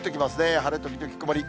晴れ時々曇り。